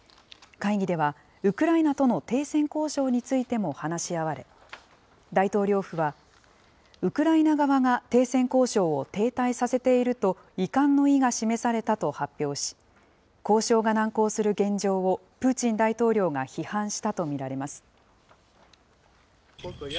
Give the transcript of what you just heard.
会議では、ウクライナとの停戦交渉についても話し合われ、大統領府は、ウクライナ側が停戦交渉を停滞させていると、遺憾の意が示されたと発表し、交渉が難航する現状をプーチン大統領が批判したと見られます。